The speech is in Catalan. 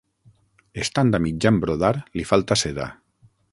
Estant a mitjan brodar, li falta seda.